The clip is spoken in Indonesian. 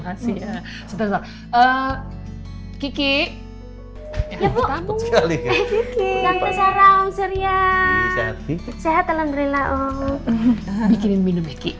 kasih ya setelah eh kiki ya bu tapi sekali ya om surya sehat sehat alhamdulillah bikin minum